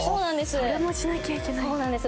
それもしなきゃいけないんだそうなんです